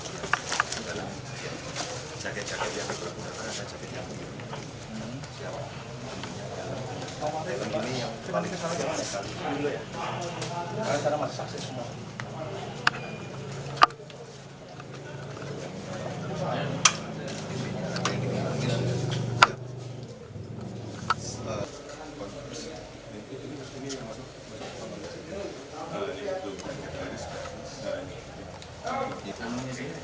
jangan jauh jauh pelan pelan